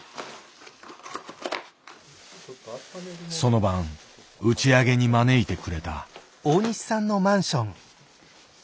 その晩打ち上げに招いてくれた。